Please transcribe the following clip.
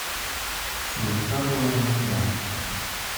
Su estado era muy grave.